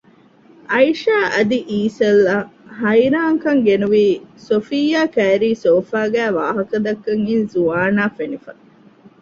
އައިޝާ އަދި އީޝަލްއަށް ހައިރާންކަން ގެނުވީ ސޮފިއްޔާ ކައިރީ ސޯފާގައި ވާހަކަދައްކަން އިން ޒުވާނާ ފެނިފަ